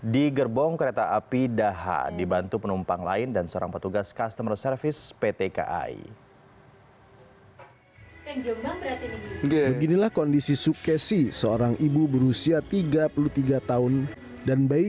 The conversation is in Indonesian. di gerbong kereta api daha dibantu penumpang lain dan seorang petugas customer service pt kai